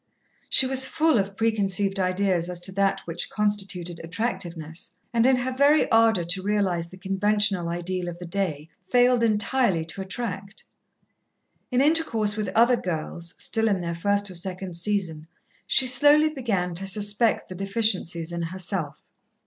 She was full of preconceived ideas as to that which constituted attractiveness, and in her very ardour to realize the conventional ideal of the day failed entirely to attract. In intercourse with other girls, still in their first or second season, she slowly began to suspect the deficiencies in herself.